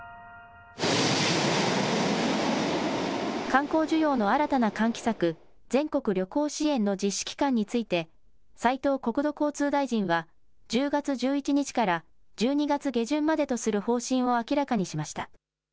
観光需要の新たな喚起策、全国旅行支援の実施期間について斉藤国土交通大臣は１０月１１日から１２月下旬までとする方針を明らかにしました。